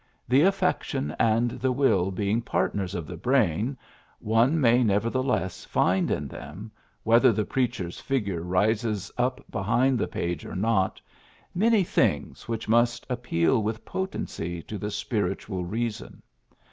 ^^The affection and the will being partners of the brain, '^ one may nevertheless find in them, whether the preacher's figure rises up behind the page or not, many things which must appeal with potency to the ^^ spiritual reason.''